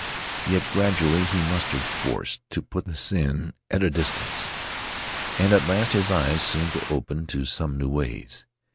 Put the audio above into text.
Yet gradually he mustered force to put the sin at a distance. And at last his eyes seemed to open to some new ways.